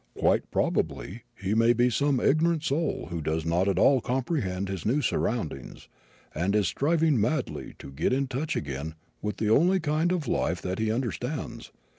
Quite probably, he may be some ignorant soul who does not at all comprehend his new surroundings, and is striving madly to get into touch again with the only kind of life that he understands.